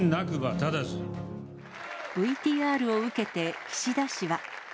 ＶＴＲを受けて、岸田氏は。